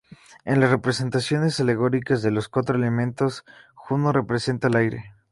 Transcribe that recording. En las representaciones alegóricas de los cuatro elementos, Juno representa al aire.